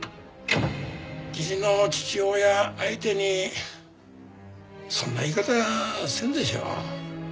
義理の父親相手にそんな言い方せんでしょう。